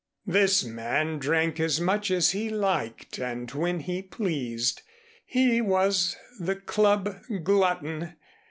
This man drank as much as he liked and when he pleased. He was the club glutton.